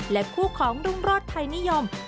และคู่ของรุ่งโรธไทยนิยม